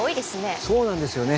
そうなんですよね。